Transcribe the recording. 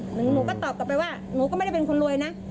หนูก็ตอบกลับไปว่าหนูก็ไม่ได้เป็นคนรวยนะ